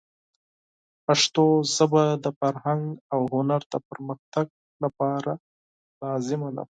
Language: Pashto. پښتو ژبه د فرهنګ او هنر د پرمختګ لپاره لازمه ده.